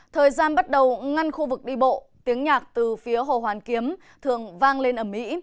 thời gian bắt đầu ngăn khu vực đi bộ tiếng nhạc từ phía hồ hoàn kiếm thường vang lên ẩm ý